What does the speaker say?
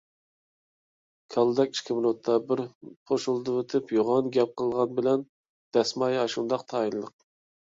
كالىدەك ئىككى مېنۇتتا بىر پۇشۇلدىۋېتىپ يوغان گەپ قىلغان بىلەن دەسمايە ئاشۇنداق تايىنلىق.